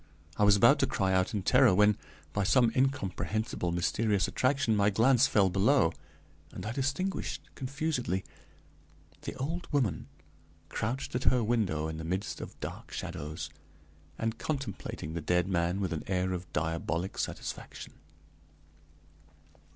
I was about to cry out in terror when, by some incomprehensible mysterious attraction, my glance fell below, and I distinguished, confusedly, the old woman crouched at her window in the midst of dark shadows, and contemplating the dead man with an air of diabolic satisfaction.